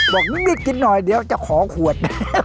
บอกนิดกินหน่อยเดี๋ยวจะขอขวด